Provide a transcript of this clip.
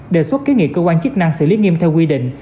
đề xuất kế nghị cơ quan chức năng xử lý nghiêm theo quy định